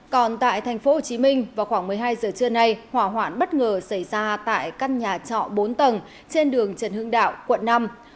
còn tại tp hcm vào khoảng một mươi hai giờ trưa nay hỏa hoạn bất ngờ xảy ra tại căn nhà trọ bốn tầng trên đường trần hưng đạo quận năm